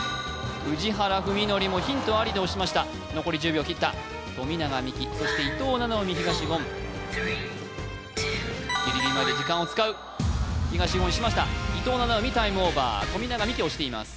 宇治原史規もヒントありで押しました残り１０秒切った富永美樹そして伊藤七海東言ギリギリまで時間を使う東言押しました伊藤七海タイムオーバー富永美樹押しています